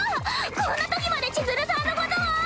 こんなときまで千鶴さんのことを！